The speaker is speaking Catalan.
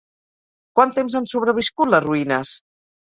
Quant temps han sobreviscut les ruïnes?